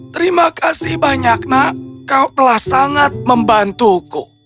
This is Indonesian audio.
terima kasih banyak nak kau telah sangat membantuku